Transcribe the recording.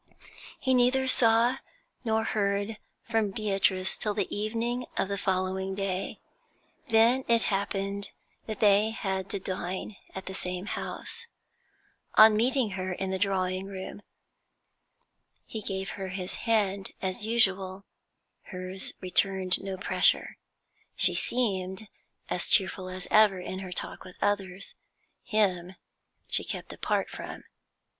He neither saw nor heard from Beatrice till the evening of the following day. Then it happened that they had to dine at the same house. On meeting her in the drawing room, he gave her his hand as usual; hers returned no pressure. She seemed as cheerful as ever in her talk with others; him she kept apart from.